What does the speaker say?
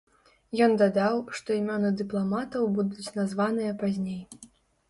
Ён дадаў, што імёны дыпламатаў будуць названыя пазней.